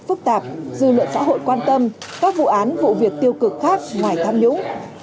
phức tạp dư luận xã hội quan tâm các vụ án vụ việc tiêu cực khác ngoài tham nhũng